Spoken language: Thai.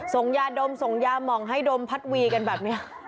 ส่งยาดมส่งยามองให้ดมพัดวีกันแบบนี้